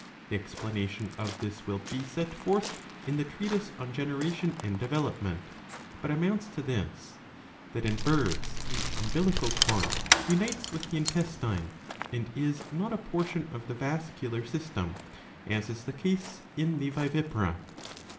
The explanation of this will be set forth in the treatise on Generation and Development, but amounts to this, that in birds the umbilical cord unites with the intestine, and is not a portion of the vascular system, as is the case in the vivipara.'